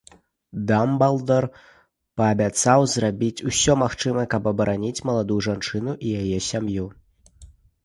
Дамблдар паабяцаў зрабіць усё магчымае, каб абараніць маладую жанчыну і яе сям'ю.